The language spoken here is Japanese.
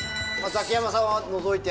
ザキヤマさんは除いて。